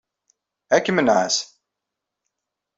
Ad kem-nɛass.